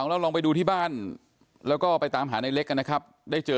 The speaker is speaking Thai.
เขึ่งแม่มันยาร่มไปหลอยเล็นก็บ้าง